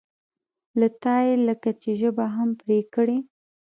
له تا یې لکه چې ژبه هم پرې کړې.